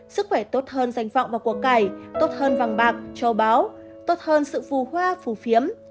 sức khỏe tốt hơn danh vọng và cuộc cải tốt hơn vàng bạc châu báo tốt hơn sự phù hoa phù phiếm